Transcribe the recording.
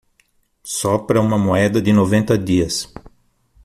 Sopra uma moeda de noventa dias